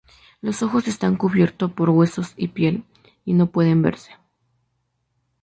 Los ojos están cubiertos por huesos y piel, y no pueden verse.